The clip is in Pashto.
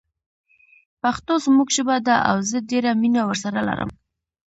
پښتو زموږ ژبه ده او زه ډیره مینه ورسره لرم